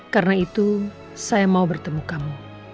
karena itu saya mau bertemu kamu